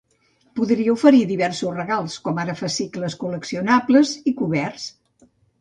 Podria oferir diversos regals, com ara fascicles col·leccionables i coberts.